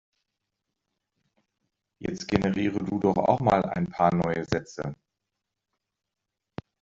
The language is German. Jetzt generiere du doch auch mal ein paar neue Sätze.